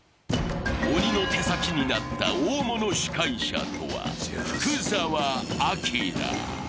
鬼の手先になった大物司会者とは福澤朗。